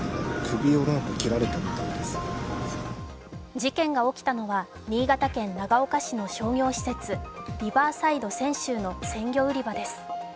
事件が起きたのは、新潟県長岡市の商業施設、リバーサイド千秋の鮮魚売り場です。